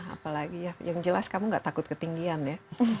apalagi yang jelas kamu nggak takut ketinggian ya